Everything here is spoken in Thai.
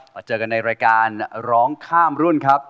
เจอกันในรายการร้องข้ามรุ่นครับ